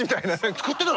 作ってたの？